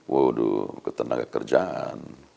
waduh ketenaga kerjaan